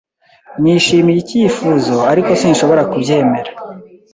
Nishimiye icyifuzo, ariko sinshobora kubyemera.